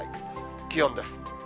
気温です。